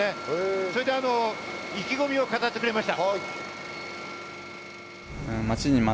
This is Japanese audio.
そして意気込みを語ってくれました。